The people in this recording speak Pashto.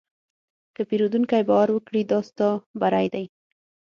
که پیرودونکی باور وکړي، دا ستا بری دی.